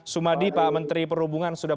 sumadi pak menteri perhubungan sudah